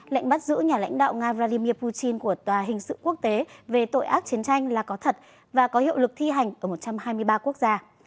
lệnh bắt giữ nhà lãnh đạo nga vladimir putin của tòa hình sự quốc tế về tội ác chiến tranh là có thật và có hiệu lực thi hành ở một trăm hai mươi ba quốc gia